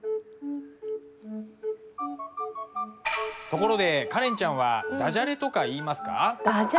ところでカレンちゃんはだじゃれとか言いますか？